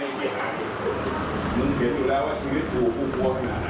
อ้าวอ้าวอ้าวอ้าว